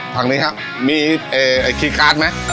ทางนี้ครับมีคีย์การ์ดไหม